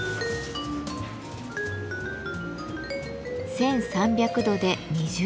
１，３００度で２０時間。